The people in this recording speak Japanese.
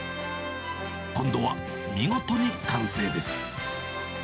今度は見事に完成です。